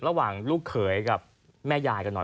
ลูกเขยกับแม่ยายกันหน่อย